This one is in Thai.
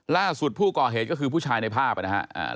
ล่าสุดผู้ก่อเหตุก็คือผู้ชายในภาพนะครับ